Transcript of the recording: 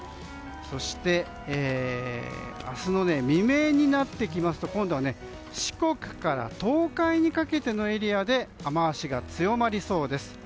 そして明日の未明になってきますと今度は四国から東海にかけてのエリアで雨脚が強まりそうです。